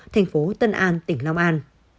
thành phố tân an tỉnh long an